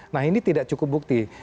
nah ini tidak cukup bukti